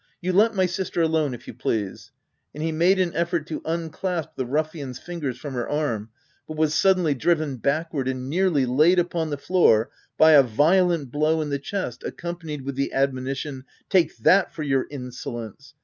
" You let my sister alone, if you please." And he made an effort to un clasp the ruffian's fingers from her arm, but was suddenly driven backward and nearly laid upon the floor by a violent blow in the chest accompanied with the admonition, " Take that for your insolence